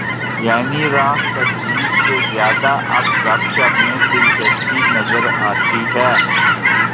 یعنی راہ تدریس سے زیادہ اس گپ شپ میں دلچسپی نظر آتی ہے۔